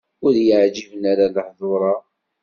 Ur yi-ɛǧiben ara lehdur-a.